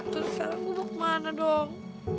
tentu sekarang gue mau kemana dong